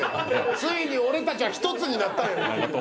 ついに俺たちは一つになったんや。